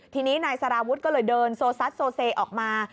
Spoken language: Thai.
ทีนี้นายสารวุฒิก็เลยเดินโซซัดโซเซออกมา